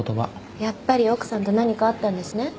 やっぱり奥さんと何かあったんですね？